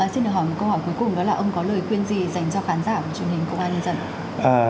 xin được hỏi một câu hỏi cuối cùng đó là ông có lời khuyên gì dành cho khán giả của truyền hình công an nhân dân